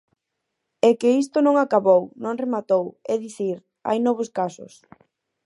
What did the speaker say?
É que isto non acabou, non rematou, é dicir, hai novos casos.